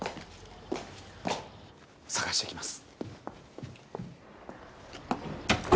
捜してきます。